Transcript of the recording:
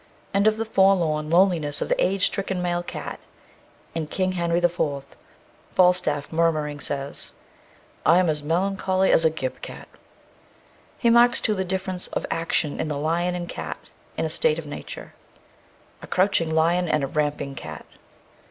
and of the forlorn loneliness of the age stricken male cat in King Henry the Fourth, Falstaff, murmuring, says: I am as melancholy as a gib cat. He marks, too, the difference of action in the lion and cat, in a state of nature: A crouching lion and a ramping cat.